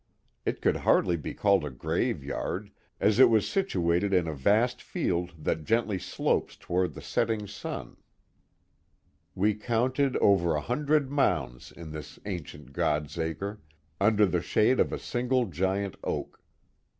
It could hardly be called a graveyard, as it was situated in a vast field that gently slopes towards the setting sun. We counted over a hundred J Canagera, One of the Mohawks' Castles 309 mounds in this ancient Godsacre, under the shade of a single giant oak.